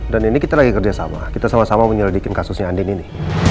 dan ini kita lagi kerja sama kita sama sama menyelidikkan kasusnya andin ini